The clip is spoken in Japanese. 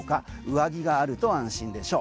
上着があると安心でしょう。